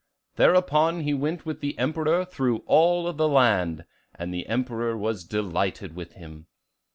Thereupon he went with the Emperor through all the land, and the Emperor was delighted with him.